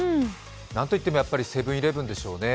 何といってもセブン−イレブンでしょうね。